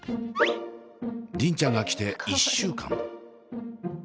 梨鈴ちゃんが来て１週間。